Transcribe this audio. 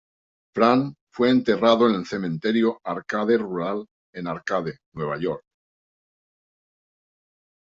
Fran fue enterrado en el Cementerio Arcade Rural en Arcade, Nueva York.